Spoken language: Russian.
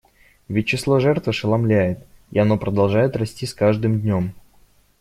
Ведь число жертв ошеломляет, и оно продолжает расти с каждым днем.